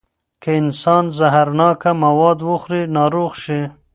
که انسان زهرناکه مواد وخوري، ناروغ شي.